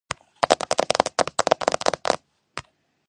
ზაფხული თბილი და ხანგრძლივია.